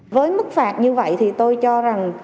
với mức phạt như vậy thì tôi cho rằng